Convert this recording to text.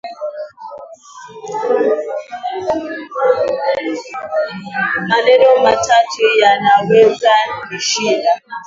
Maneno matatu hayawezi nishinda